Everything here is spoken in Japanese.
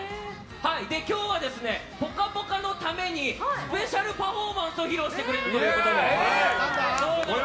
今日は、「ぽかぽか」のためにスペシャルパフォーマンスを披露してくれるということで。